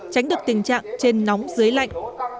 tránh được tình trạng trên nóng dưới lạnh